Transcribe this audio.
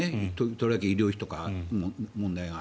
とりわけ医療費とか、問題が。